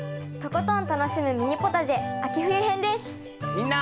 みんな。